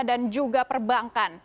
dan juga perbankan